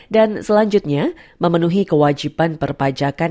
dan selanjutnya memenuhi kewajiban perpajakan